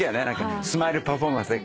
スマイルパフォーマンスで。